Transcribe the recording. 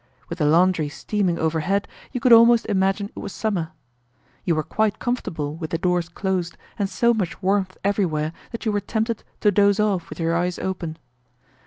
With the laundry steaming overhead you could almost imagine it was summer. You were quite comfortable with the doors closed and so much warmth everywhere that you were tempted to doze off with your eyes open.